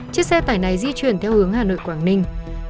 chiếc xe tải này di chuyển theo hướng hà nội quảng ninh